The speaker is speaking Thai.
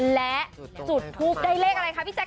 และจุดทูปได้เลขอะไรคะพี่แจ